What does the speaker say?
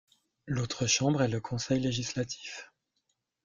L’autre chambre est le Conseil législatif.